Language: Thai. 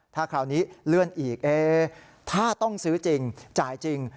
ถ้าคราวนี้เลื่อนอีกถ้าต้องซื้อจริงจ่ายจริง